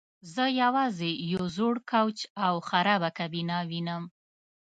زه یوازې یو زوړ کوچ او خرابه کابینه وینم